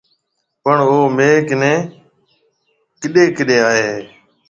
پڻ او مهيَ ڪنيَ ڪڏيَ ڪڏيَ آئي هيَ۔